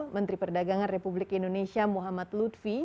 menteri perdagangan republik indonesia muhammad lutfi